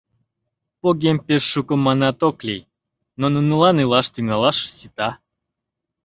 Погем пеш шуко манат ок лий, но нунылан илаш тӱҥалашышт сита.